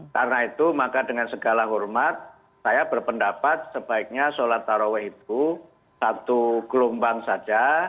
karena itu maka dengan segala hormat saya berpendapat sebaiknya sholat tarwah itu satu gelombang saja